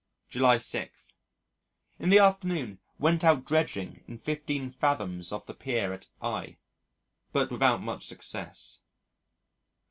July 6. In the afternoon went out dredging in fifteen fathoms off the pier at I , but without much success....